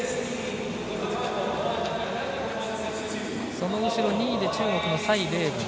その後ろ、２位で中国の蔡麗ぶん